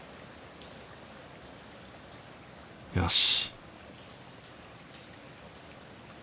よし